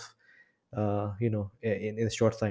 mungkin pada saat itu